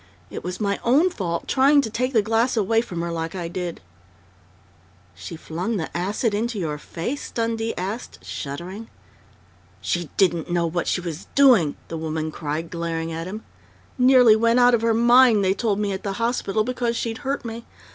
It was my own fault, trying to take the glass away from her, like I did " "She flung the acid into your face?" Dundee asked, shuddering. "She didn't know what she was doing!" the woman cried, glaring at him. "Nearly went out of her mind, they told me at the hospital, because she'd hurt me....